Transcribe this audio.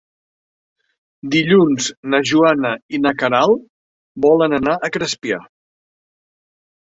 Dilluns na Joana i na Queralt volen anar a Crespià.